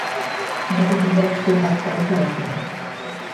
গত দু-বৎসর এক পয়সাও আসেনি।